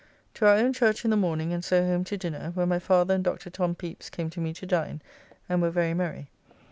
To our own church in the morning and so home to dinner, where my father and Dr. Tom Pepys came to me to dine, and were very merry.